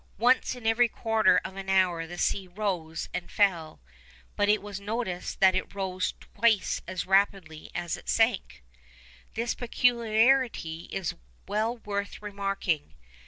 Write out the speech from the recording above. Once in every quarter of an hour the sea rose and fell, but it was noticed that it rose twice as rapidly as it sank. This peculiarity is well worth remarking.